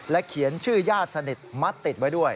เขียนชื่อญาติสนิทมัดติดไว้ด้วย